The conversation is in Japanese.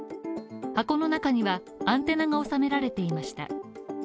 箱の中にはアンテナが収められていました。